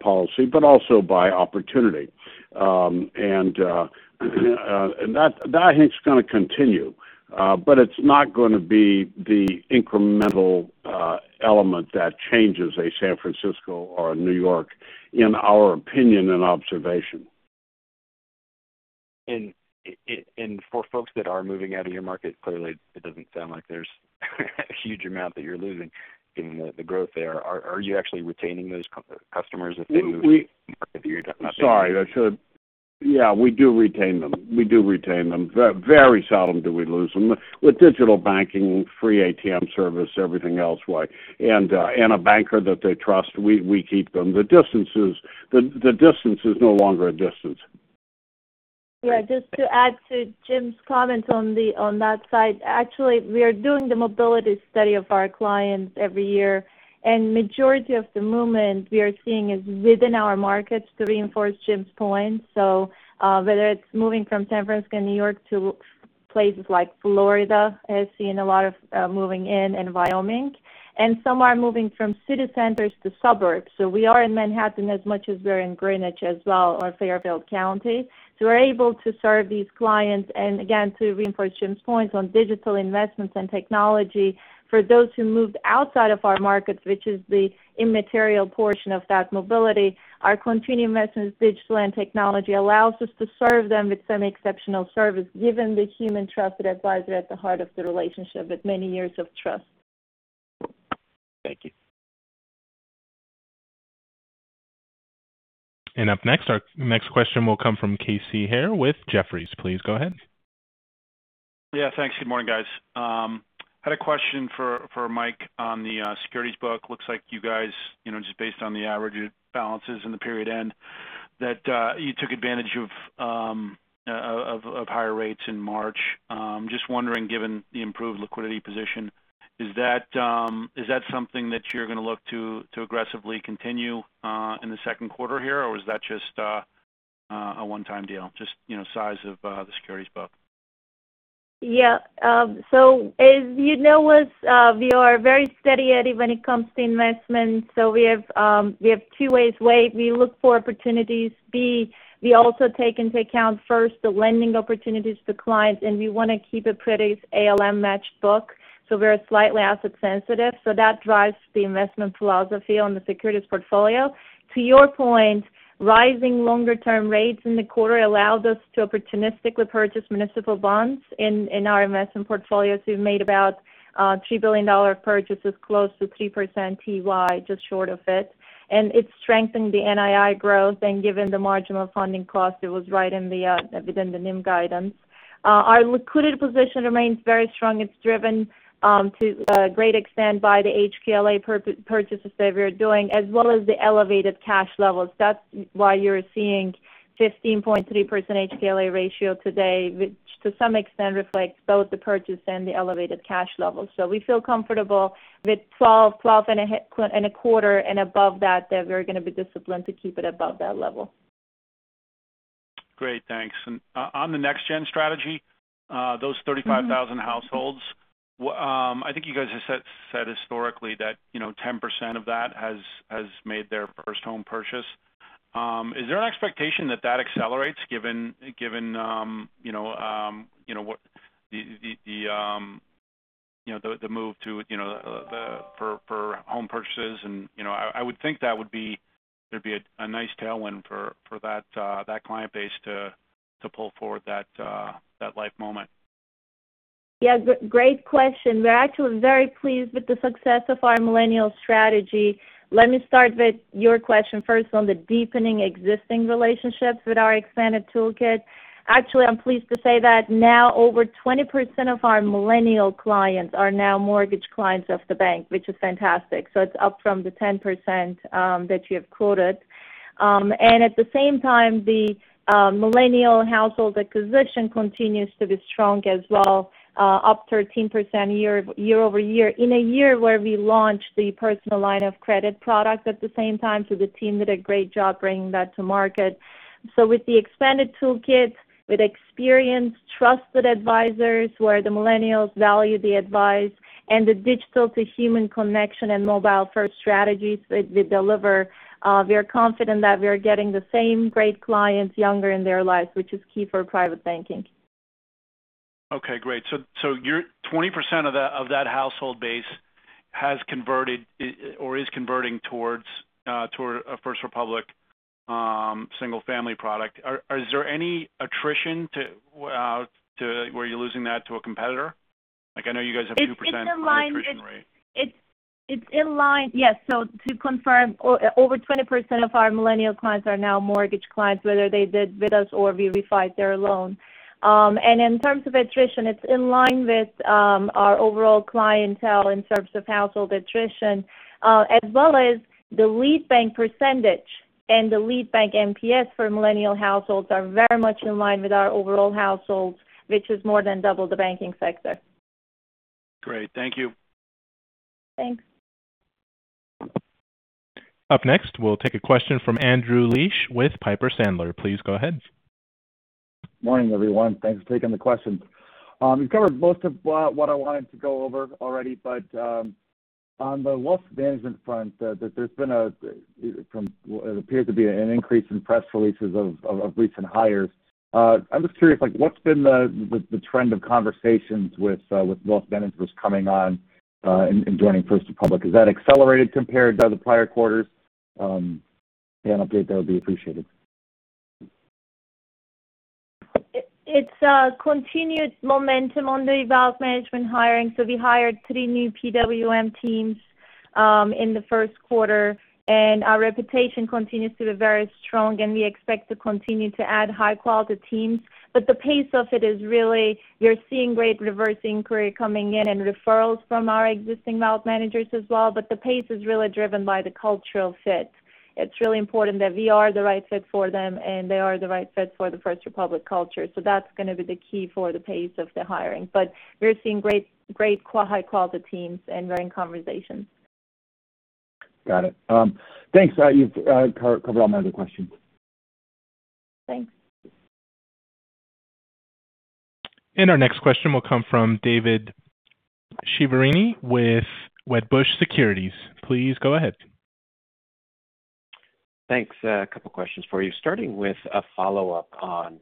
Speaker 3: policy, but also by opportunity. That, I think, is going to continue, but it's not going to be the incremental element that changes a San Francisco or a New York, in our opinion and observation.
Speaker 12: For folks that are moving out of your market, clearly it doesn't sound like there's a huge amount that you're losing in the growth there. Are you actually retaining those customers if they move to a different market that you're not in?
Speaker 3: Yeah, we do retain them. Very seldom do we lose them. With digital banking, free ATM service, everything else, and a banker that they trust, we keep them. The distance is no longer a distance.
Speaker 4: Yeah, just to add to Jim's comment on that side. Actually, we are doing the mobility study of our clients every year. Majority of the movement we are seeing is within our markets to reinforce Jim's point. Whether it's moving from San Francisco and New York to places like Florida has seen a lot of moving in and Wyoming. Some are moving from city centers to suburbs. We are in Manhattan as much as we're in Greenwich as well, or Fairfield County. We're able to serve these clients. Again, to reinforce Jim's point on digital investments and technology, for those who moved outside of our markets, which is the immaterial portion of that mobility, our continuing investments in digital and technology allows us to serve them with some exceptional service given the human trusted advisor at the heart of the relationship with many years of trust.
Speaker 12: Thank you.
Speaker 1: Up next, our next question will come from Casey Haire with Jefferies. Please go ahead.
Speaker 13: Yeah, thanks. Good morning, guys. Had a question for Mike on the securities book. Looks like you guys, just based on the average balances and the period end, that you took advantage of higher rates in March. Just wondering, given the improved liquidity position, is that something that you're going to look to aggressively continue in the second quarter here, or is that just a one-time deal? Just size of the securities book.
Speaker 4: As you know us, we are very steady Eddie when it comes to investments. We have two ways. We look for opportunities. We also take into account first the lending opportunities to clients, and we want to keep a pretty ALM matched book. We're slightly asset sensitive. That drives the investment philosophy on the securities portfolio. To your point, rising longer-term rates in the quarter allowed us to opportunistically purchase municipal bonds in our investment portfolio. We've made about $3 billion purchases, close to 3% TEY, just short of it. It's strengthened the NII growth, and given the marginal funding cost, it was right within the NIM guidance. Our liquidity position remains very strong. It's driven to a great extent by the HQLA purchases that we're doing, as well as the elevated cash levels. That's why you're seeing 15.3% HQLA ratio today, which to some extent reflects both the purchase and the elevated cash levels. We feel comfortable with 12%, 12.25% and above that, we're going to be disciplined to keep it above that level.
Speaker 13: Great, thanks. On the next gen strategy, those 35,000 households. I think you guys have said historically that 10% of that has made their first home purchase. Is there an expectation that that accelerates given the move for home purchases? I would think that would be a nice tailwind for that client base to pull forward that life moment.
Speaker 4: Great question. We're actually very pleased with the success of our millennial strategy. Let me start with your question first on the deepening existing relationships with our expanded toolkit. Actually, I'm pleased to say that now over 20% of our millennial clients are now mortgage clients of the bank, which is fantastic. It's up from the 10% that you have quoted. At the same time, the millennial household acquisition continues to be strong as well, up 13% year-over-year in a year where we launched the personal line of credit product at the same time. The team did a great job bringing that to market. With the expanded toolkit, with experienced trusted advisors where the millennials value the advice, and the digital to human connection and mobile-first strategies that we deliver, we are confident that we are getting the same great clients younger in their lives, which is key for private banking.
Speaker 13: Okay, great. 20% of that household base has converted or is converting towards a First Republic single-family product. Is there any attrition to where you're losing that to a competitor? I know you guys have a 2% attrition rate.
Speaker 4: It's in line. Yes. To confirm, over 20% of our millennial clients are now mortgage clients, whether they did with us or we refied their loan. In terms of attrition, it's in line with our overall clientele in terms of household attrition, as well as the lead bank % and the lead bank NPS for millennial households are very much in line with our overall households, which is more than double the banking sector.
Speaker 13: Great. Thank you.
Speaker 4: Thanks.
Speaker 1: Up next, we'll take a question from Andrew Liesch with Piper Sandler. Please go ahead.
Speaker 14: Morning, everyone. Thanks for taking the questions. You've covered most of what I wanted to go over already. On the wealth management front, there's been what appears to be an increase in press releases of recent hires. I'm just curious, what's been the trend of conversations with wealth managers coming on and joining First Republic? Has that accelerated compared to the prior quarters? Any update there would be appreciated.
Speaker 4: It's continued momentum on the wealth management hiring. We hired three new PWM teams in the first quarter, and our reputation continues to be very strong, and we expect to continue to add high-quality teams. The pace of it is really you're seeing great reverse inquiry coming in and referrals from our existing wealth managers as well. The pace is really driven by the cultural fit. It's really important that we are the right fit for them, and they are the right fit for the First Republic culture. That's going to be the key for the pace of the hiring. We're seeing great high-quality teams and we're in conversations.
Speaker 14: Got it. Thanks. You've covered all my other questions.
Speaker 4: Thanks.
Speaker 1: Our next question will come from David Chiaverini with Wedbush Securities. Please go ahead.
Speaker 15: Thanks. A couple questions for you, starting with a follow-up on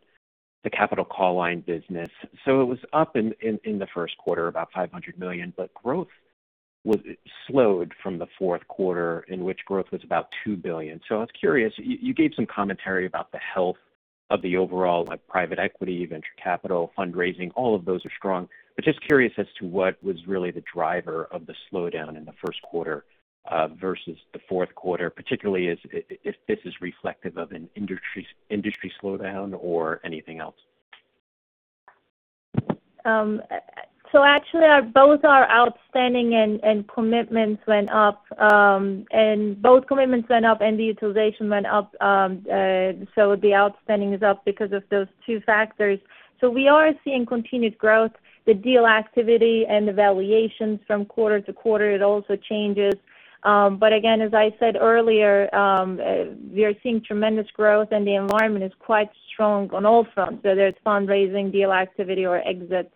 Speaker 15: the capital call line business. It was up in the first quarter about $500 million, but growth slowed from the fourth quarter in which growth was about $2 billion. I was curious, you gave some commentary about the health of the overall private equity, venture capital, fundraising. All of those are strong. Just curious as to what was really the driver of the slowdown in the first quarter versus the fourth quarter, particularly if this is reflective of an industry slowdown or anything else.
Speaker 4: Actually, both our outstanding and commitments went up, and both commitments went up and the utilization went up. The outstanding is up because of those two factors. We are seeing continued growth. The deal activity and the valuations from quarter to quarter, it also changes. Again, as I said earlier, we are seeing tremendous growth and the environment is quite strong on all fronts. There's fundraising, deal activity, or exits.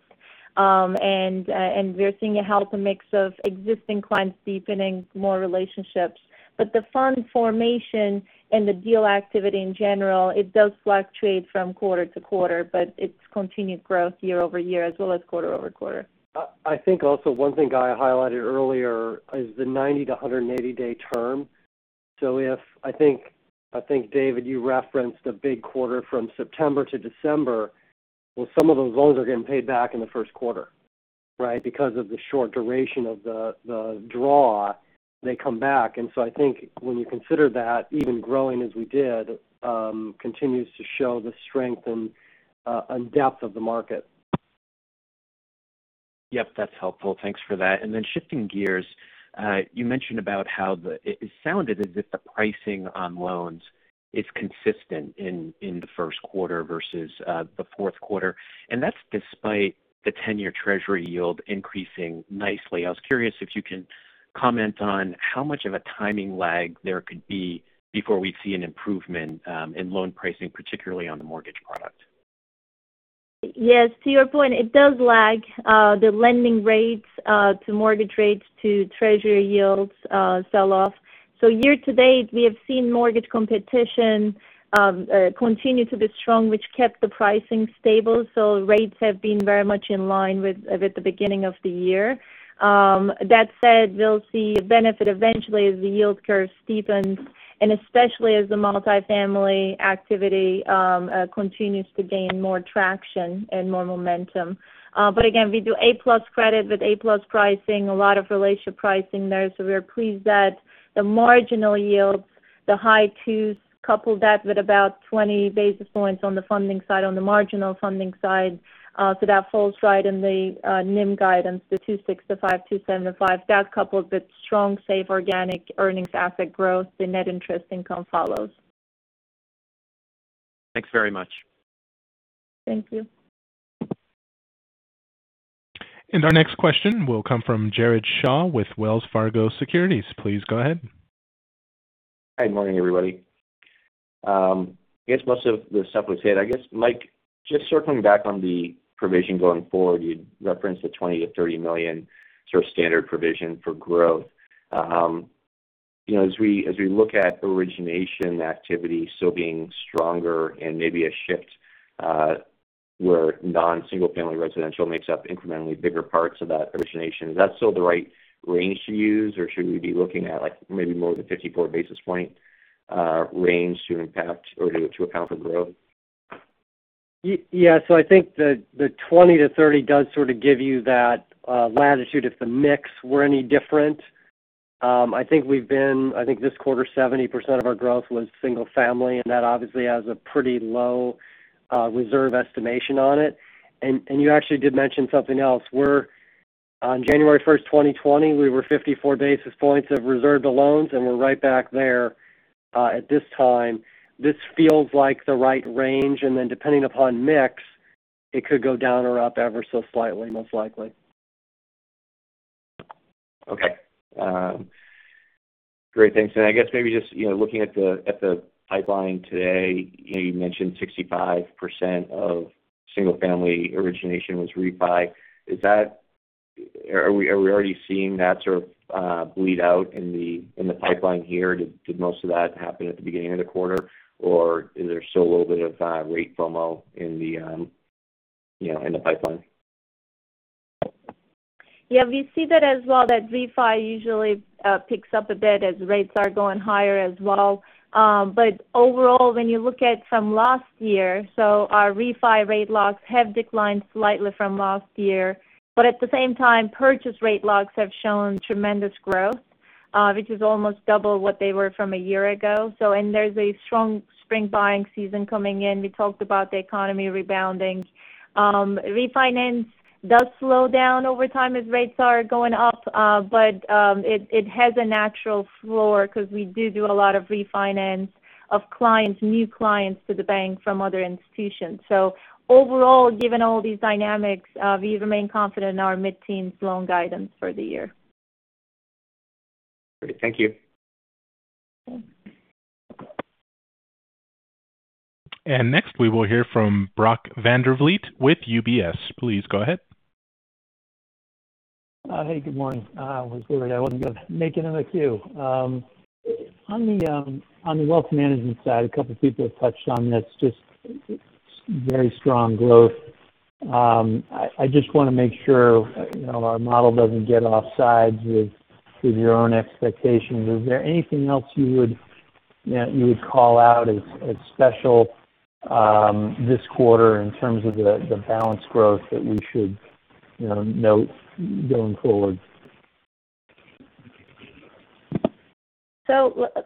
Speaker 4: And we're seeing a healthy mix of existing clients deepening more relationships. The fund formation and the deal activity in general, it does fluctuate from quarter to quarter, but it's continued growth year-over-year as well as quarter-over-quarter.
Speaker 5: I think also one thing Gaye highlighted earlier is the 90 to 180 day term. I think, David, you referenced a big quarter from September to December. Well, some of those loans are getting paid back in the first quarter. Because of the short duration of the draw, they come back. I think when you consider that, even growing as we did, continues to show the strength and depth of the market.
Speaker 15: Yep, that's helpful. Thanks for that. Shifting gears, it sounded as if the pricing on loans is consistent in the first quarter versus the fourth quarter, and that's despite the 10-year Treasury yield increasing nicely. I was curious if you can comment on how much of a timing lag there could be before we see an improvement in loan pricing, particularly on the mortgage product?
Speaker 4: Yes. To your point, it does lag the lending rates to mortgage rates to Treasury yields sell-off. Year to date, we have seen mortgage competition continue to be strong, which kept the pricing stable. Rates have been very much in line with the beginning of the year. That said, we'll see a benefit eventually as the yield curve steepens, and especially as the multifamily activity continues to gain more traction and more momentum. Again, we do A-plus credit with A-plus pricing. A lot of relationship pricing there. We are pleased that the marginal yields, the high twos, coupled that with about 20 basis points on the funding side, on the marginal funding side. That falls right in the NIM guidance, the 265-275. That coupled with strong, safe organic earnings asset growth, the net interest income follows.
Speaker 15: Thanks very much.
Speaker 4: Thank you.
Speaker 1: Our next question will come from Jared Shaw with Wells Fargo Securities. Please go ahead.
Speaker 16: Hi. Good morning, everybody. I guess most of the stuff was hit. I guess, Mike, just circling back on the provision going forward, you referenced the $20 million-$30 million standard provision for growth. As we look at origination activity still being stronger and maybe a shift where non-single-family residential makes up incrementally bigger parts of that origination, is that still the right range to use? Should we be looking at maybe more of a 54 basis point range to impact or to account for growth?
Speaker 5: I think the 20-30 does sort of give you that latitude if the mix were any different. I think this quarter, 70% of our growth was single family, and that obviously has a pretty low reserve estimation on it. You actually did mention something else. On January 1st, 2020, we were 54 basis points of reserved to loans, and we're right back there at this time. This feels like the right range, depending upon mix, it could go down or up ever so slightly, most likely.
Speaker 16: Okay. Great. Thanks. I guess maybe just looking at the pipeline today, you mentioned 65% of single family origination was refi. Are we already seeing that sort of bleed out in the pipeline here? Did most of that happen at the beginning of the quarter? Is there still a little bit of rate FOMO in the pipeline?
Speaker 4: Yeah, we see that as well, that refi usually picks up a bit as rates are going higher as well. Overall, when you look at from last year. Our refi rate locks have declined slightly from last year, but at the same time, purchase rate locks have shown tremendous growth, which is almost double what they were from a year ago. There's a strong spring buying season coming in. We talked about the economy rebounding. Refinance does slow down over time as rates are going up. It has a natural floor because we do a lot of refinance of new clients to the bank from other institutions. Overall, given all these dynamics, we remain confident in our mid-teens loan guidance for the year.
Speaker 16: Great. Thank you.
Speaker 4: Okay.
Speaker 1: Next we will hear from Brock Vandervliet with UBS. Please go ahead.
Speaker 17: Hey, good morning. Was worried I wasn't going to make it in the queue. On the wealth management side, a couple people have touched on this, just very strong growth. I just want to make sure our model doesn't get offside with your own expectations. Is there anything else you would call out as special this quarter in terms of the balance growth that we should note going forward?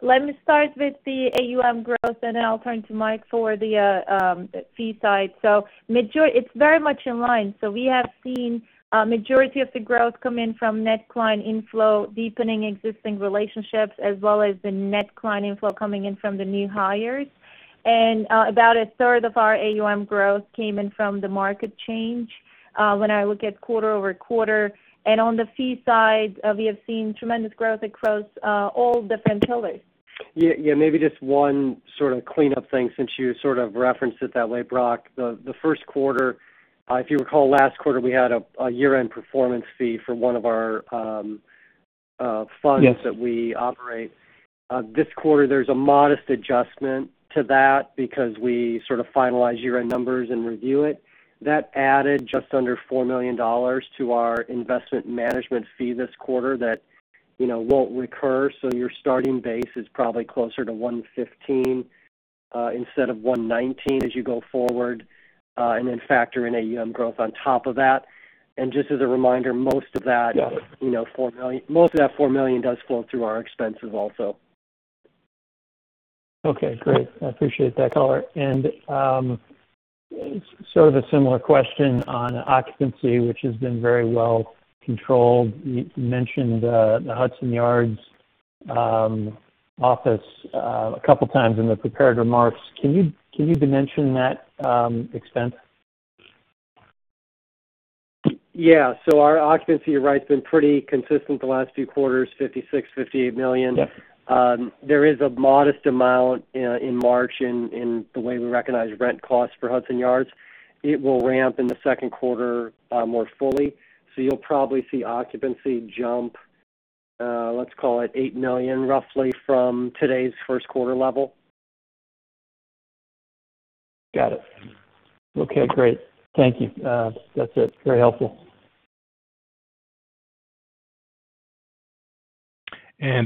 Speaker 4: Let me start with the AUM growth, and then I'll turn to Mike for the fee side. It's very much in line. We have seen a majority of the growth come in from net client inflow, deepening existing relationships, as well as the net client inflow coming in from the new hires. About a third of our AUM growth came in from the market change when I look at quarter-over-quarter. On the fee side, we have seen tremendous growth across all different pillars.
Speaker 5: Yeah. Maybe just one sort of cleanup thing since you sort of referenced it that way, Brock. The first quarter, if you recall last quarter we had a year-end performance fee for one of our funds.
Speaker 17: Yes
Speaker 5: that we operate. This quarter there's a modest adjustment to that because we sort of finalize year-end numbers and review it. That added just under $4 million to our investment management fee this quarter that won't recur. Your starting base is probably closer to 115 instead of 119 as you go forward, then factor in AUM growth on top of that. Just as a reminder, most of that-
Speaker 17: Yeah
Speaker 5: most of that $4 million does flow through our expenses also.
Speaker 17: Okay, great. I appreciate that color. Sort of a similar question on occupancy, which has been very well controlled. You mentioned the Hudson Yards office a couple times in the prepared remarks. Can you dimension that expense?
Speaker 5: Yeah. Our occupancy, you're right, has been pretty consistent the last few quarters, $56 million-$58 million.
Speaker 17: Yeah.
Speaker 5: There is a modest amount in March in the way we recognize rent costs for Hudson Yards. It will ramp in the second quarter more fully. You'll probably see occupancy jump, let's call it $8 million roughly from today's first quarter level.
Speaker 17: Got it. Okay, great. Thank you. That's it. Very helpful.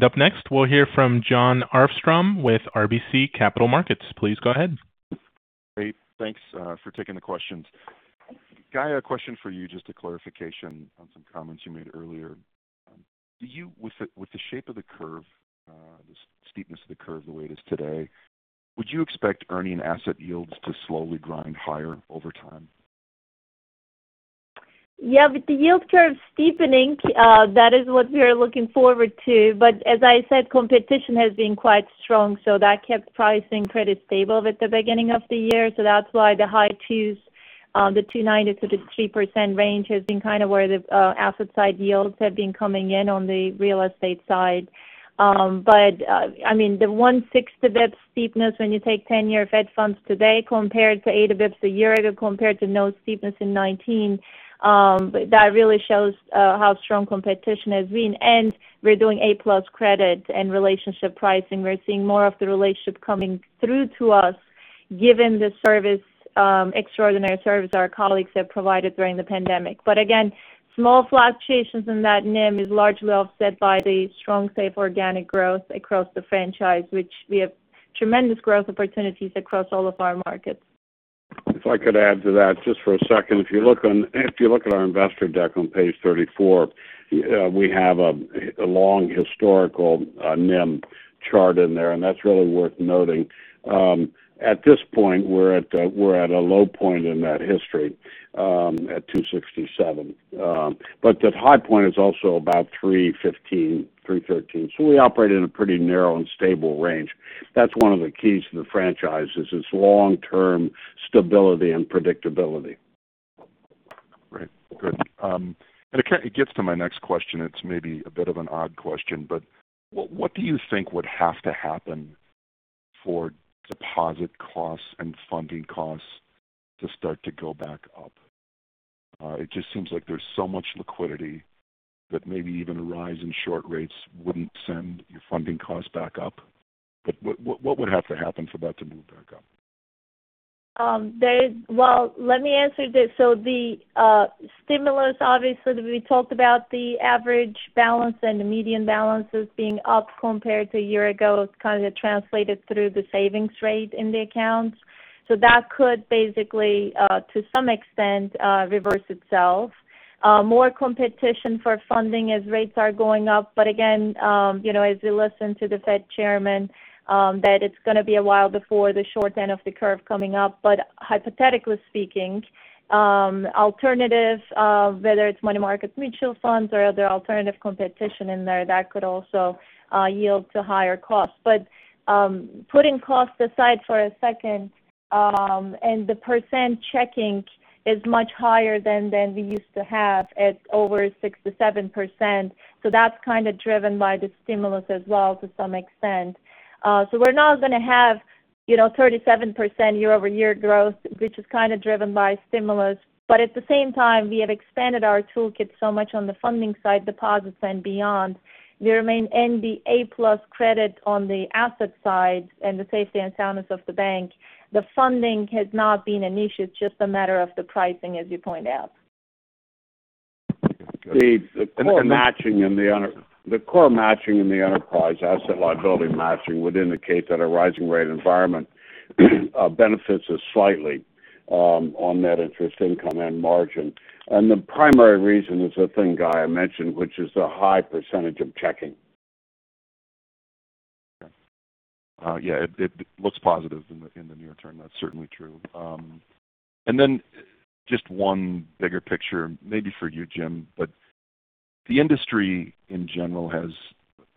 Speaker 1: Up next, we'll hear from Jon Arfstrom with RBC Capital Markets. Please go ahead.
Speaker 18: Great. Thanks for taking the questions. Gaye, a question for you, just a clarification on some comments you made earlier. With the shape of the curve, the steepness of the curve the way it is today, would you expect earning asset yields to slowly grind higher over time?
Speaker 4: With the yield curve steepening, that is what we are looking forward to. As I said, competition has been quite strong, that kept pricing pretty stable at the beginning of the year. That's why the high twos, the 290 to the 3% range has been kind of where the asset side yields have been coming in on the real estate side. The 160 that steepness when you take 10-year Fed funds today compared to eight of this a year ago compared to no steepness in 2019, that really shows how strong competition has been. We're doing A-plus credit and relationship pricing. We're seeing more of the relationship coming through to us given the extraordinary service our colleagues have provided during the pandemic. Again, small fluctuations in that NIM is largely offset by the strong, safe organic growth across the franchise, which we have tremendous growth opportunities across all of our markets.
Speaker 3: If I could add to that just for a second. If you look at our investor deck on page 34, we have a long historical NIM chart in there, and that's really worth noting. At this point, we're at a low point in that history at 267. That high point is also about 315, 313. We operate in a pretty narrow and stable range. That's one of the keys to the franchise is its long-term stability and predictability.
Speaker 18: Right. Good. It gets to my next question. It's maybe a bit of an odd question, what do you think would have to happen for deposit costs and funding costs to start to go back up? It just seems like there's so much liquidity that maybe even a rise in short rates wouldn't send your funding costs back up. What would have to happen for that to move back up?
Speaker 4: Well, let me answer this. The stimulus, obviously, we talked about the average balance and the median balances being up compared to a year ago. It's kind of translated through the savings rate in the accounts. That could basically to some extent reverse itself. More competition for funding as rates are going up. Again, as you listen to the Fed Chairman, that it's going to be a while before the short end of the curve coming up. Hypothetically speaking, alternatives, whether it's money market mutual funds or other alternative competition in there, that could also yield to higher costs. Putting costs aside for a second, and the checking is much higher than we used to have at over 67%. That's kind of driven by the stimulus as well to some extent. We're not going to have 37% year-over-year growth, which is kind of driven by stimulus. At the same time, we have expanded our toolkit so much on the funding side deposits and beyond. We remain in the A-plus credit on the asset side and the safety and soundness of the bank. The funding has not been an issue. It's just a matter of the pricing as you point out.
Speaker 3: The core matching in the enterprise asset liability matching would indicate that a rising rate environment benefits us slightly on net interest income and margin. The primary reason is the thing Gaye mentioned, which is the high percentage of checking.
Speaker 18: It looks positive in the near term. That's certainly true. Then just one bigger picture maybe for you, Jim. The industry in general has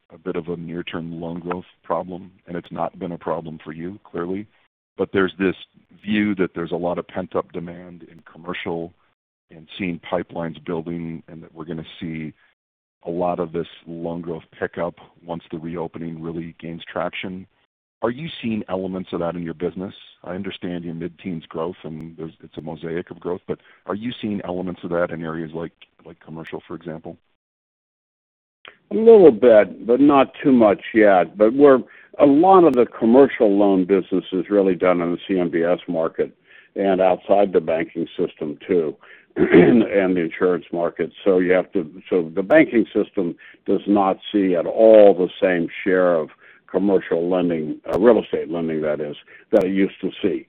Speaker 18: a bit of a near-term loan growth problem, and it's not been a problem for you, clearly. There's this view that there's a lot of pent-up demand in commercial. Seeing pipelines building and that we're going to see a lot of this loan growth pick up once the reopening really gains traction. Are you seeing elements of that in your business? I understand you're mid-teens growth, and it's a mosaic of growth, are you seeing elements of that in areas like commercial, for example?
Speaker 3: A little bit, but not too much yet. A lot of the commercial loan business is really done in the CMBS market and outside the banking system too, and the insurance market. The banking system does not see at all the same share of commercial lending, real estate lending that is, that it used to see.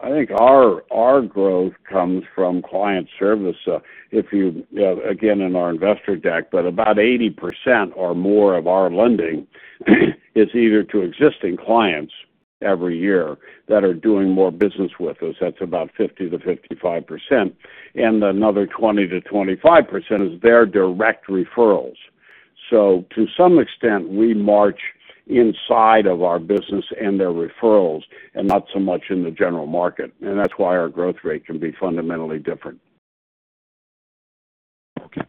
Speaker 3: I think our growth comes from client service. Again, in our investor deck, but about 80% or more of our lending is either to existing clients every year that are doing more business with us. That's about 50%-55%, and another 20%-25% is their direct referrals. To some extent, we march inside of our business and their referrals and not so much in the general market, and that's why our growth rate can be fundamentally different.
Speaker 18: Okay.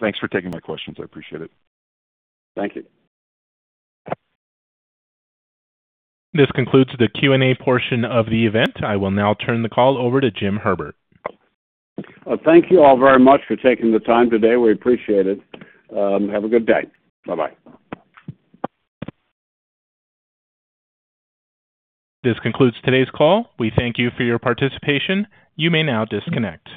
Speaker 18: Thanks for taking my questions. I appreciate it.
Speaker 3: Thank you.
Speaker 1: This concludes the Q&A portion of the event. I will now turn the call over to Jim Herbert.
Speaker 3: Thank you all very much for taking the time today. We appreciate it. Have a good day. Bye-bye.
Speaker 1: This concludes today's call. We thank you for your participation. You may now disconnect.